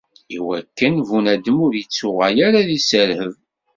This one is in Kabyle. Iwakken bunadem ur ittuɣal ara ad iserheb.